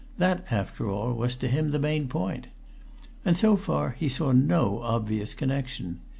That, after all, was, to him, the main point. And so far he saw no obvious connection.